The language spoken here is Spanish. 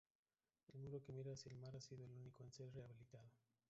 El muro que mira hacia el mar ha sido el único en ser rehabilitado.